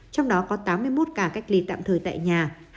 trong đó có tám mươi một ca cách ly tạm thời tại nhà